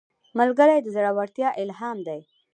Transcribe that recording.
ملګری د زړورتیا الهام دی